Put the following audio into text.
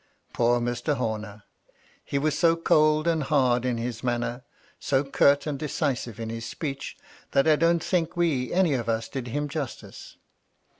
Poor Mr. Homer ! He was so oold and hard in his maimer, so curt and decisive in his speech, that I don't think we any of us did him justice.